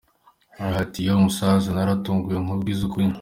Yagize ati “Yooo Musaza naratunguwe nkubwize ukuri.